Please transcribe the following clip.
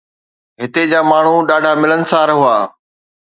هتي جا ماڻهو ڏاڍا ملنسار هئا.